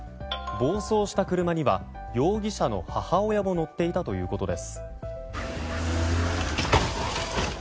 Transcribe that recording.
暴走した車には容疑者の母親も乗っていたということです。